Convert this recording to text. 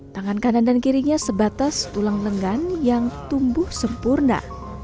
dan kanan dan kirinya sebatas tulang lengan yang tumbuh sempurna